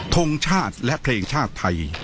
ทงชาติและเพลงทรัพย์